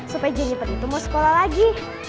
supaya jennifer itu mau sekolah lagi